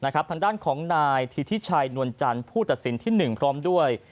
ทางด้านของนายธิทิชัยนวลจันทร์ผู้ตัดสินที่๑พร้อมด้วย